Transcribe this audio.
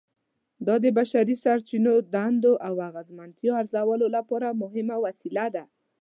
دا د بشري سرچینو دندو د اغیزمنتیا ارزولو لپاره مهمه وسیله ده.